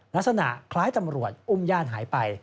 ลักษณะคล้ายตำรวจอุ้มญาติหายไป